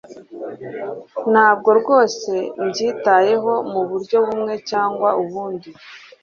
Ntabwo rwose mbyitayeho muburyo bumwe cyangwa ubundi.